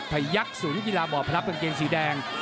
พยักษุยกีฬาบ่อพรับกางเกงสีแดง